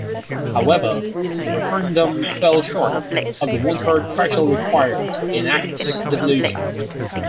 However, the referendum fell short of the one-third threshold required to enact devolution.